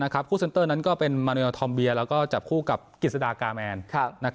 คู่เซ็นเตอร์นั้นก็เป็นมาเนียลทอมเบียแล้วก็จับคู่กับกิจสดากาแมน